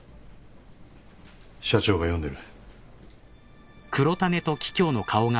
社長が呼んでる。